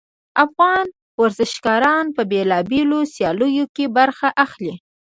افغان ورزشګران په بیلابیلو سیالیو کې برخه اخلي